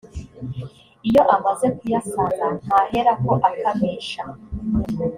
iyo amaze kuyasanza ntaherako akamisha